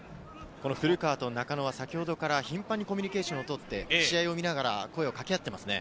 古川と中野は先ほどから頻繁にコミュニケーションを取って試合を見ながら声を掛け合っていますね。